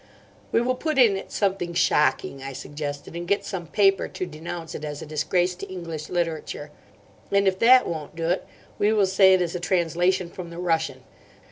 "We will put in it something shocking," I suggested, "and get some paper to denounce it as a disgrace to English literature. And if that won't do it we will say it is a translation from the Russian.